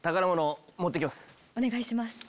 お願いします。